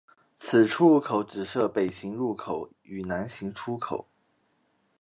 此出入口只设北行入口与南行出口。